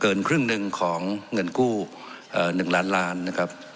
เกินครึ่งหนึ่งของเงินกู้อ่าหนึ่งล้านล้านนะครับ